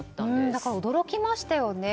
だから驚きましたよね。